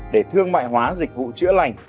để thương mại hóa dịch vụ chữa lành